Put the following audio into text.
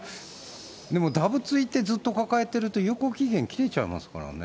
でも、だぶついてずっと抱えてると有効期限切れちゃいますからね。